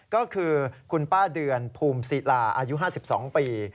ก็คือคุณป้าเดือนภูมิศิลาอายุ๕๒ปี